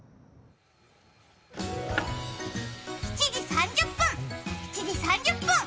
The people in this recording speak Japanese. ７時３０分、７時３０分